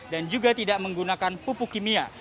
dan juga tidak menggunakan pupuk kimia